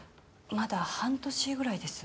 まだ半年ぐらいです。